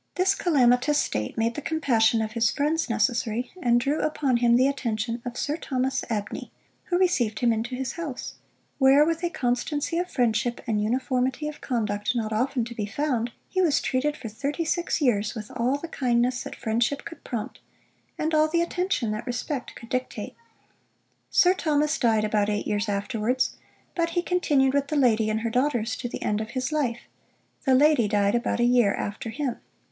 This calamitous state made the compassion of his friends necessary, and drew upon him the attention of Sir Thomas Abney, who received him into his house; where with a constancy of friendship and uniformity of conduct not often to be found, he was treated for thirty six years with all the kindness that friendship could prompt, and all the attention that respect could dictate. Sir Thomas died about eight years afterwards; but he continued with the lady and her daughters to the end of his life. The lady died about a year after him.